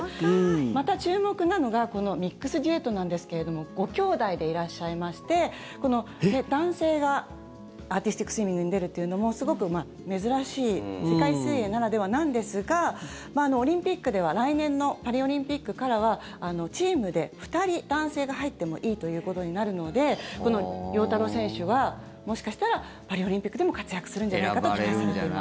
また、注目なのがこのミックスデュエットなんですけども５きょうだいでいらっしゃいまして男性がアーティスティックスイミングに出るのもすごく珍しい世界水泳ならではなんですがオリンピックでは来年のパリオリンピックからはチームで２人、男性が入ってもいいということになるのでこの陽太郎選手はもしかしたらパリオリンピックでも活躍するんじゃないかと期待されています。